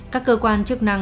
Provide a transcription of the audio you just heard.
các cơ quan chức viện